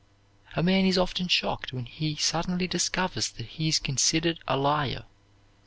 A man is often shocked when he suddenly discovers that he is considered a liar.